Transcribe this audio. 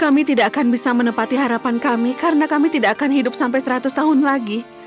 kami tidak akan bisa menepati harapan kami karena kami tidak akan hidup sampai seratus tahun lagi